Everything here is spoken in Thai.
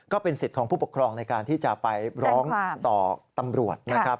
ก็เป็นสิทธิ์ของผู้ปกครองในการที่จะไปร้องต่อตำรวจนะครับ